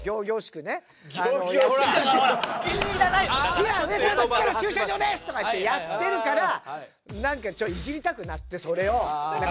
「今ウエストランド地下の駐車場です！」とか言ってやってるからなんかいじりたくなってそれを。